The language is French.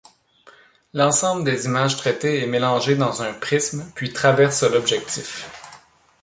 L'ensemble des images traitées est mélangé dans un prisme, puis traverse l'objectif.